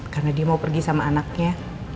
karena dia mau pergi sama anaknya